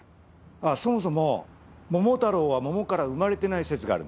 そもそも桃太郎は桃から生まれてない説がある。